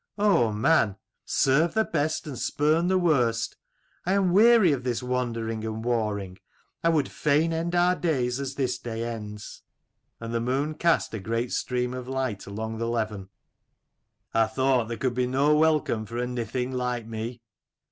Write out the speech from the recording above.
"Oh, man ! serve the best and spurn the worst. I am weary of this wandering and warring; I would fain end our days as this day ends." 29 CHAPTER VI. OF FURNESS FOLK A THOUSAND YEARS SINCE. And the moon cast a great stream of light along the Leven. " I thought there could be no welcome for a nithing like me."